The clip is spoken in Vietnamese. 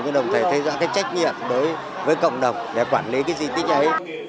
và đồng thời thấy rõ cái trách nhiệm đối với cộng đồng để quản lý cái di tích ấy